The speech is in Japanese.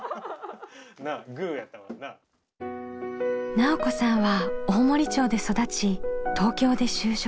奈緒子さんは大森町で育ち東京で就職。